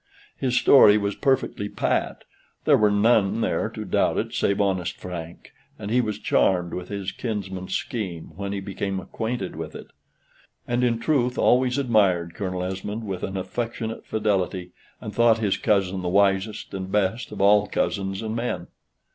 His story was perfectly pat; there were none there to doubt it save honest Frank, and he was charmed with his kinsman's scheme, when he became acquainted with it; and, in truth, always admired Colonel Esmond with an affectionate fidelity, and thought his cousin the wisest and best of all cousins and men.